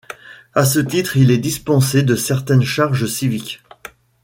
À ce titre, il est dispensé de certaines charges civiques.